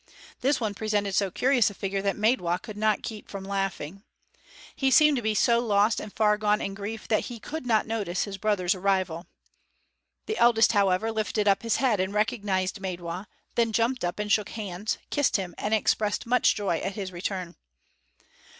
This one presented so curious a figure that Maidwa could not keep from laughing. He seemed to be so lost and far gone in grief that he could not notice his brother's arrival. The eldest, however, lifted up his head and recognized Maidwa, then jumped up and shook hands, kissed him, and expressed much joy at his return.